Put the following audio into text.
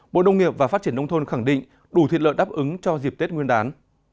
bộ nông nghiệp và phát triển nông thôn khẳng định đủ thịt lợn đáp ứng cho dịp tết nguyên đán